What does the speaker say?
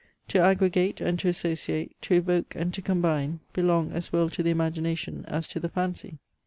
To aggregate and to associate, to evoke and to combine, belong as well to the Imagination as to the Fancy."